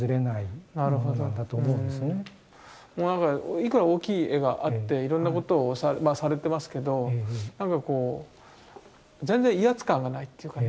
いくら大きい絵があっていろんなことをされてますけど何かこう全然威圧感がないっていうかね。